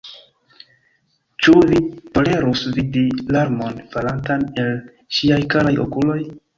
Ĉu vi tolerus vidi larmon falantan el ŝiaj karaj okuloj?